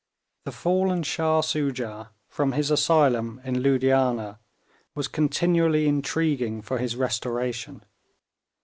The fallen Shah Soojah, from his asylum in Loodianah, was continually intriguing for his restoration.